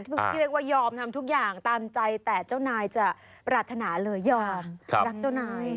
ที่เรียกว่ายอมทำทุกอย่างตามใจแต่เจ้านายจะปรารถนาเลยยอมรักเจ้านาย